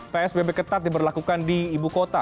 psbb ketat diberlakukan di ibu kota